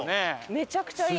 めちゃくちゃいい。